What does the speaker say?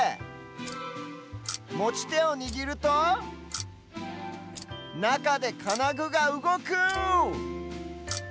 もちてをにぎるとなかでかなぐがうごく！